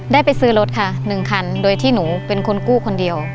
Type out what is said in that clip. ได้ไปซื้อรถค่ะ๑คันโดยที่หนูเป็นคนกู้คนเดียว